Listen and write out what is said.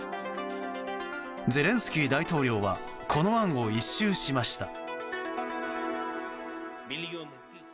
ゼレンスキー大統領はこの案を一蹴しました。